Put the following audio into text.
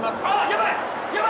やばい！